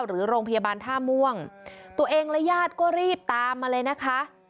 หรือโรงพยาบาลท่าม่วงตัวเองและญาติก็รีบตามมาเลยนะคะ